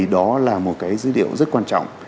đó là một cái dữ liệu rất quan trọng